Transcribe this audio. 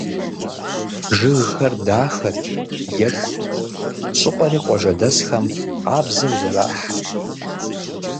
Жыгхэр дахэт, екӏут, щӏыпӏэри къуажэдэсхэм къабзэу зэрахьэрт.